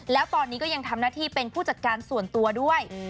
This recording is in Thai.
แล้วตอนนี้ก็ยังทำหน้าที่เป็นผู้จัดการส่วนตัวด้วย